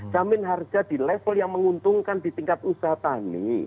jamin harga di level yang menguntungkan di tingkat usaha tani